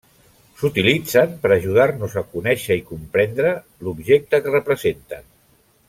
S'utilitzen per ajudar-nos a conèixer i comprendre l'objecte que representen.